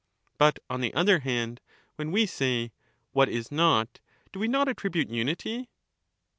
But, on the other hand, when we say 'what is not,* do we not attribute unity